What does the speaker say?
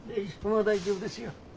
ああ大丈夫ですよ。